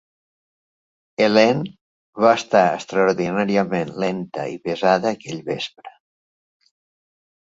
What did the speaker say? Helene va estar extraordinàriament lenta i pesada aquell vespre.